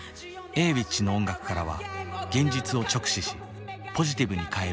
Ａｗｉｃｈの音楽からは現実を直視しポジティブに変えるエネルギーがほとばしる。